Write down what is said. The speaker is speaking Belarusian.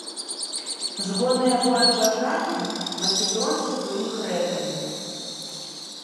Згодна яго разважанням, македонцы былі грэкамі.